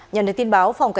nhân đề tin báo